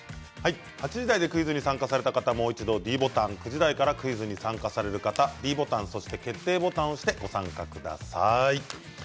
８時台でクイズに参加した方はもう一度ｄボタン９時台からクイズに参加される方はｄボタンと決定ボタンを押してご参加ください。